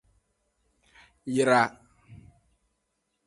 Yra.